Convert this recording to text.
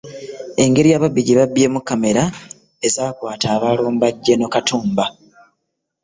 Engeri ababbi gye babbyemu kkamera ezaakwata abaalumba General Katumba.